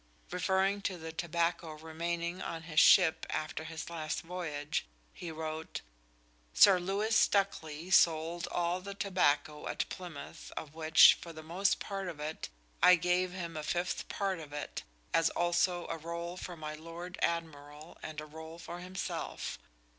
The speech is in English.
Referring to the tobacco remaining on his ship after his last voyage, he wrote: "Sir Lewis Stukely sold all the tobacco at Plimouth of which, for the most part of it, I gave him a fift part of it, as also a role for my Lord Admirall and a role for himself